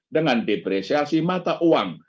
dengan depresiasi mata uang